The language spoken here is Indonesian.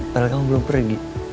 padahal kamu belum pergi